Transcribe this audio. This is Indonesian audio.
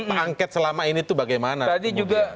pangket selama ini tuh bagaimana tadi juga